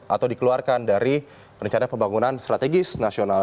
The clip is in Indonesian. atau dikeluarkan dari rencana pembangunan strategis nasional